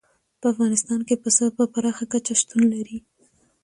په افغانستان کې پسه په پراخه کچه شتون لري.